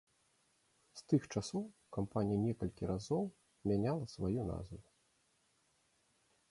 З тых часоў кампанія некалькі разоў мяняла сваю назву.